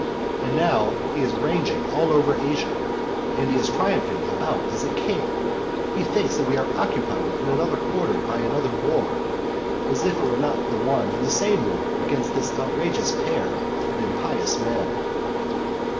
And now he is ranging all over Asia, he is triumphing about as a king, he thinks that we are occupied in another quarter by another war, as if it were not one and the same war against this outrageous pair of impious men.